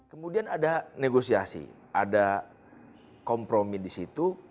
kemudian ada negosiasi ada kompromi di situ